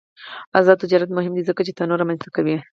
آزاد تجارت مهم دی ځکه چې تنوع رامنځته کوي.